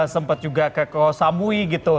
sempat juga ke koh samui gitu